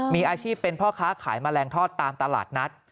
มีอาชีพเป็นพ่อค้าขายแมลงทอดตามตลาดนัด